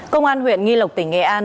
công an huyện nghi lộc tỉnh nghệ an